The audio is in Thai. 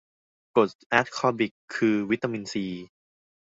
กรดแอสคอบิก คือวิตามินซี